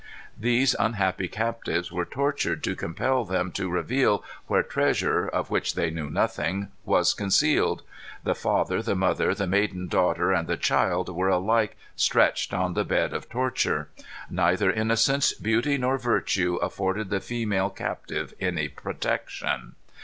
These unhappy captives were tortured to compel them to reveal where treasure, of which they knew nothing, was concealed. The father, the mother, the maiden daughter, and the child were alike stretched on the bed of torture. Neither innocence, beauty, nor virtue afforded the female captive any protection.